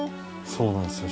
そうなんですよ